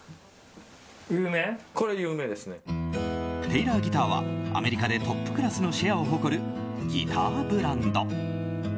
テイラーギターはアメリカでトップクラスのシェアを誇るギターブランド。